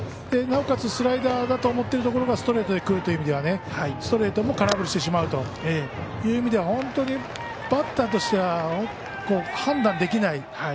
なおかつ、スライダーだと思っているところがストレートでくるという意味ではストレートも空振りしてしまうという意味では本当にバッターとしては判断できない。